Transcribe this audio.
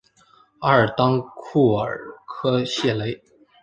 阿尔当库尔科谢雷。